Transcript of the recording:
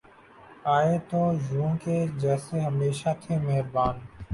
آئے تو یوں کہ جیسے ہمیشہ تھے مہرباں